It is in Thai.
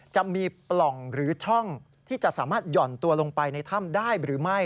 จะมีปล่องหรือช่องที่จะสามารถห่อนตัวลงไปในถ้ำได้หรือไม่